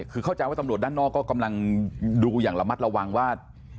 คือเข้าใจว่าตำรวจด้านนอกก็กำลังดูอย่างระมัดระวังว่า